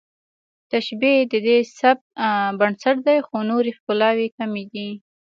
تشبیه د دې سبک بنسټ دی خو نورې ښکلاوې کمې دي